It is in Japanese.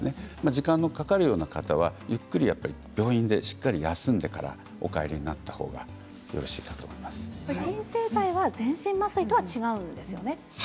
時間がかかるような方はゆっくり病院でしっかり休んでからお帰りになったほうが鎮静剤は全身麻酔とは違うんですよね。